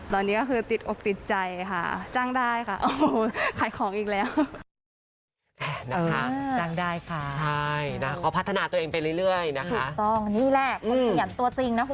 ตอนนี้ก็คือติดอกติดใจค่ะจ้างได้ค่ะโอ้โหขายของอีกแล้ว